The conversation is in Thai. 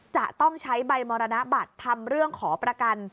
จะต้องใช้ใบมรณบัตรทำเรื่องขอประกัน